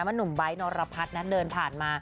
มะหนุ่มใบ้นอรพัทนะเดินผ่านมา